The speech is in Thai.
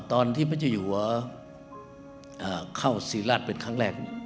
ตอนที่พระเจ้าอยู่หัวเข้าศรีราชเป็นครั้งแรก